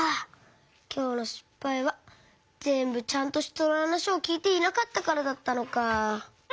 きょうのしっぱいはぜんぶちゃんとひとのはなしをきいていなかったからだったのか。